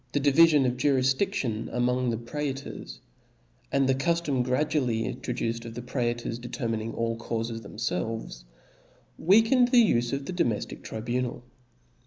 ^^^ divifion of jurifdidtion among the praetors, and the cuftom gradually introduced of the praetors determining all caufes themfelves *, weakened the ufe of the domeftic tribunal.